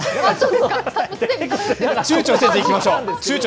ちゅうちょせずいきましょう。